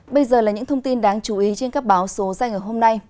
bây giờ là những thông tin đáng chú ý trên các báo số danh hôm nay